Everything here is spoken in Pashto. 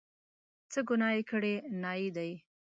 څه ګناه یې کړې، نایي دی.